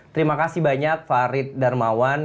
terima kasih banyak farid darmawan